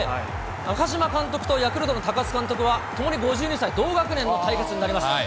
中嶋監督とヤクルトの高津監督はともに５２歳、同学年の対決になります。